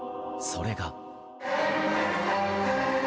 それが。